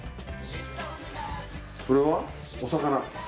それはお魚？